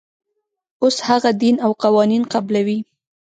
اوس هغه دین او قوانین قبلوي.